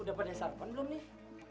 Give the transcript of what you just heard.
udah pada sarpan belum nih